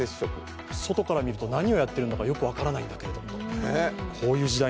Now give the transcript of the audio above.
外から見ると何をやってるのか分からないんだけれども。